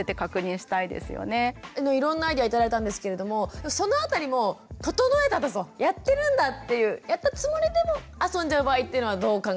いろんなアイデア頂いたんですけれどもその辺りも整えたぞやってるんだっていうやったつもりでも遊んじゃう場合っていうのはどう考えたらいいですか？